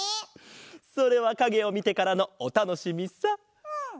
それはかげをみてからのおたのしみさ。